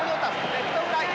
レフトフライ！